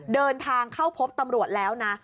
เดินทางเข้าพบตำรวจแล้วนะ